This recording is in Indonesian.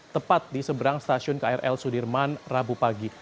tepat di seberang stasiun krl sudirman rabu pagi